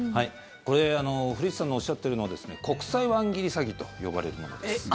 これ、古市さんがおっしゃっているのは国際ワン切り詐欺と呼ばれるものです。